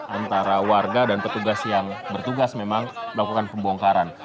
antara warga dan petugas yang bertugas memang melakukan pembongkaran